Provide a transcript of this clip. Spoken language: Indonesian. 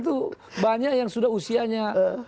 itu banyak yang sudah usianya